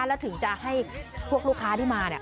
แล้วถึงจะให้พวกลูกค้าที่มาเนี่ย